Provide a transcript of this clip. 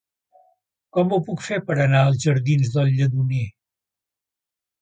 Com ho puc fer per anar als jardins del Lledoner?